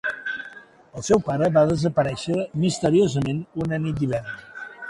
El seu pare va desaparèixer misteriosament una nit d'hivern.